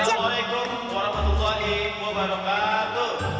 assalamualaikum warahmatullahi wabarakatuh